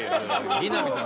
木南さん